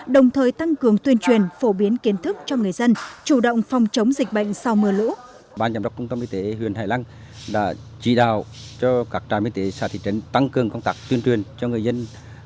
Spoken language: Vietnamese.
đồng thời tăng cường tuyên truyền phổ biến kiến thức cho người dân